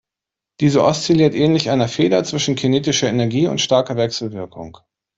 Diese oszilliert ähnlich einer Feder zwischen kinetischer Energie und starker Wechselwirkung.